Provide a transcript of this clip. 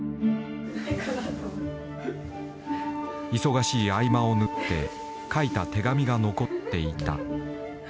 忙しい合間を縫って書いた手紙が残っていた。